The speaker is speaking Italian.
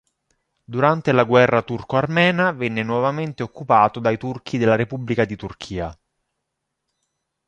Durante la guerra turco-armena venne nuovamente occupato dai turchi della Repubblica di Turchia.